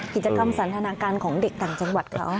กิจกรรมสันทนาการของเด็กต่างจังหวัดเขา